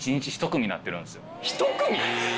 １組⁉